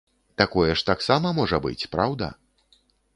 Такое ж таксама можа быць, праўда?